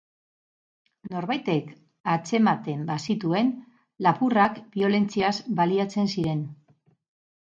Norbaitek atzematen bazituen, lapurrak biolentziaz baliatzen ziren.